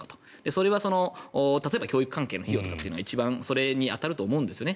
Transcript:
それは例えば教育関係の費用とかが一番それに当たると思うんですよね。